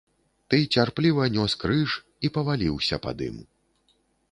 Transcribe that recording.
Ты цярпліва нёс крыж і паваліўся пад ім.